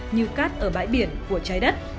như cát ở bãi biển của trái đất